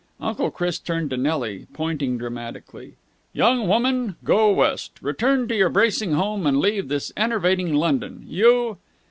Uncle Chris turned to Nelly, pointing dramatically. "Young woman, go West! Return to your bracing home, and leave this enervating London! You...."